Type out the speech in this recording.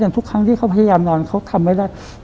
ทุกครั้งที่เขาพยายามนอนเขาทำไม่ได้